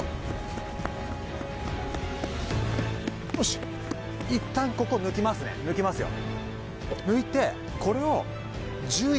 よしいったんここ抜きますね抜きますよ。